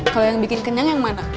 kalau yang bikin kenyang yang mana